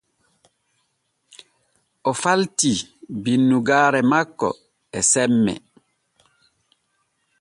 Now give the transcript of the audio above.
O falti binnugaare makko e semmee.